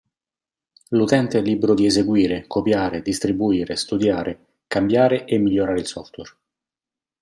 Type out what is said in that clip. L'utente è libero di eseguire, copiare, distribuire, studiare, cambiare e migliorare il software.